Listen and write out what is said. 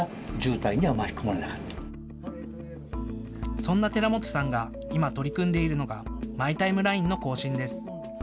そんな寺本さんが今、取り組んでいるのがマイ・タイムラインの更新です。